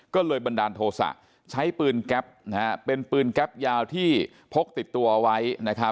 ก็เลยบันดาลโทษะใช้ปืนแก๊ปเป็นปืนแก๊ปยาวที่พกติดตัวไว้